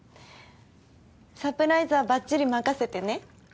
サプライズはばっちり任せてね。